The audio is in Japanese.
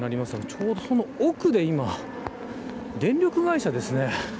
ちょうどその奥で、今電力会社ですね。